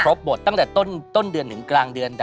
บทตั้งแต่ต้นเดือนถึงกลางเดือน